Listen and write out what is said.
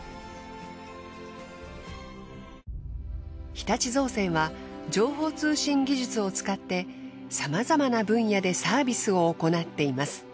日立造船は情報通信技術を使ってさまざまな分野でサービスを行っています。